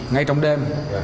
ngay trong đêm